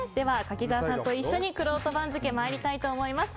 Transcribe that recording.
柿澤さんと一緒にくろうと番付、参ります。